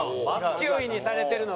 ９位にされてるのが。